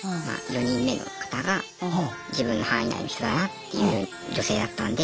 ４人目の方が自分の範囲内の人だなっていう女性だったんで。